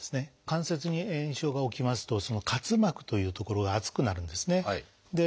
関節に炎症が起きますと滑膜という所が厚くなるんですね。